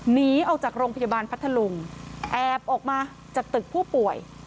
หนีออกจากโรงพยาบาลพัทธลุงแอบออกมาจากตึกผู้ป่วย